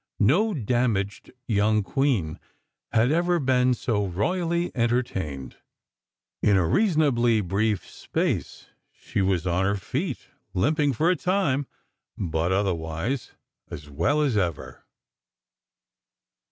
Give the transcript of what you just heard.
No damaged young queen had ever been so royally entertained. In a reasonably brief space, she was on her feet—limping for a time, but otherwise as well as ever.